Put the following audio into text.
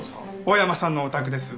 大山さんのお宅です。